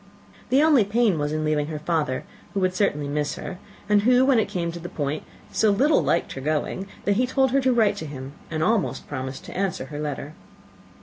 The only pain was in leaving her father, who would certainly miss her, and who, when it came to the point, so little liked her going, that he told her to write to him, and almost promised to answer her letter.